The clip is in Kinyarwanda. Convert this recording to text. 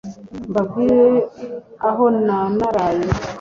mbabwire ahona naraye